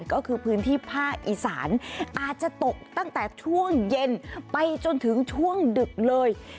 ก็คือพื้นที่ภาคอีสานอาจจะตกตั้งแต่ช่วงเย็นไปจนถึงช่วงดึกเลย